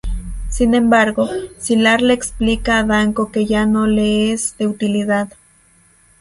Sin embargo, Sylar le explica a Danko que ya no le es de utilidad.